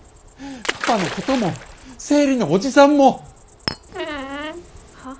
パパのことも生理のおじさんもはっ？